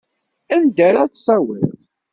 Anda ara tt-tawiḍ?